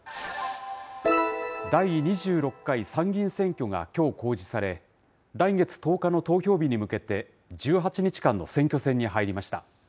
第２６回参議院選挙がきょう公示され、来月１０日の投票日に向けて、１８日間の選挙戦に入りました。